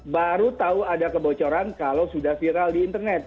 baru tahu ada kebocoran kalau sudah viral di internet